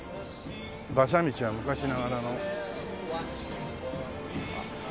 馬車道は昔ながらの。